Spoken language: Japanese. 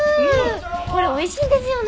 これ美味しいんですよね。